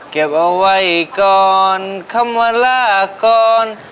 เก็บเอาไว้ก่อนคำว่าลาก่อน